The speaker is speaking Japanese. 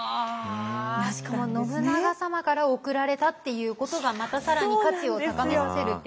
しかも信長様から贈られたっていうことがまた更に価値を高めさせるっていう。